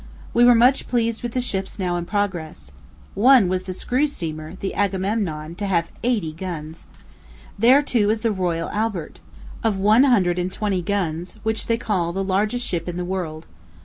We were much pleased with the ships now in progress. One was the screw steamer, the Agamemnon, to have eighty guns. There, too, is the Royal Albert, of one hundred and twenty guns, which they call the largest ship in the world.